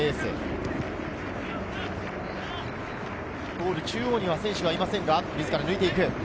ゴール中央には選手がいませんが自ら抜いて行く。